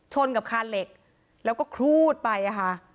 กับคานเหล็กแล้วก็ครูดไปค่ะ